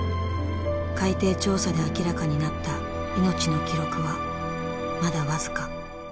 海底調査で明らかになった命の記録はまだ僅か。